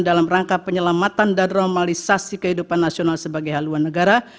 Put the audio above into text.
dalam rangka penyelamatan dan normalisasi kehidupan nasional sebagai haluan negara